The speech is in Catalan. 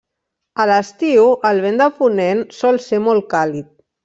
A l'estiu, el vent de ponent sol ser molt càlid.